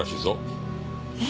え！？